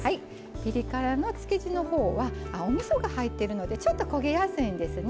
ピリ辛の漬け地のほうはおみそが入っているのでちょっと焦げやすいんですね。